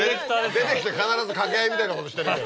出てきて必ず掛け合いみたいなことしてる。